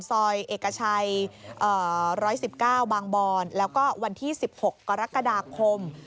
ซอยเอกชัยเอ่อร้อยสิบเก้าบางบรแล้วก็วันที่สิบหกกรกฎาคม